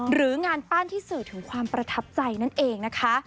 หรืองานปั้นที่สื่อถึงความประทับใจนั่นเองนะคะ